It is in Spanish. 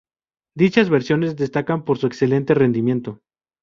Dichas versiones destacan por su excelente rendimiento.